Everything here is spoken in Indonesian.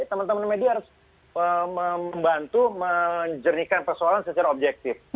teman teman media harus membantu menjernihkan persoalan secara objektif